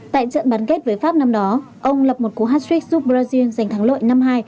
tại trận bán kết với pháp năm đó ông lập một cú hat trick giúp brazil giành thắng lội năm hai